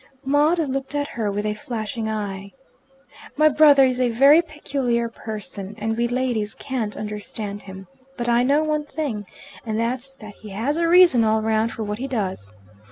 Maud looked at her with a flashing eye. "My brother is a very peculiar person, and we ladies can't understand him. But I know one thing, and that's that he has a reason all round for what he does.